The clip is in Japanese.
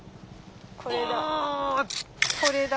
これだ。